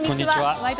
「ワイド！